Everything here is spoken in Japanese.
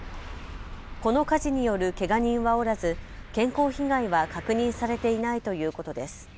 この火事によるけが人はおらず健康被害は確認されていないということです。